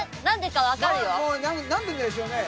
何でか分かるよ。